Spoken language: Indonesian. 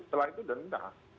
setelah itu denda